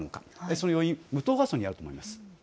その要因は、無党派層にあると思います。